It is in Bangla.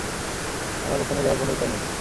আমার ওখানে যাওয়ার কোনো উপায় নেই।